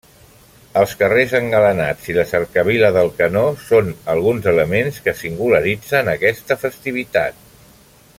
Els carrers engalanats i la cercavila del canó són alguns elements que singularitzen aquesta festivitat.